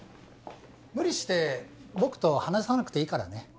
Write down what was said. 無理して僕と話さなくていいからね。